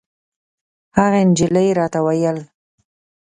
هغې نجلۍ راته ویل.